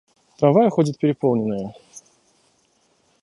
Трамваи ходят переполненные.